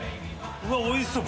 うわっおいしそう。